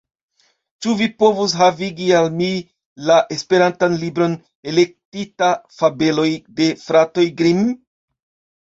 Ĉu vi povus havigi al mi la esperantan libron »Elektitaj fabeloj de fratoj Grimm«?